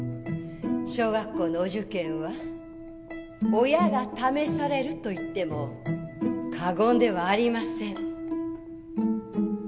小学校のお受験は親が試されると言っても過言ではありません。